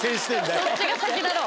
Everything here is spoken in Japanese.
そっちが先だろ。